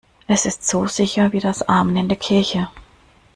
Es ist so sicher wie das Amen in der Kirche.